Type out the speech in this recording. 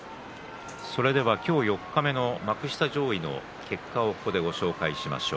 今日四日目の幕下上位の結果をここでご紹介します。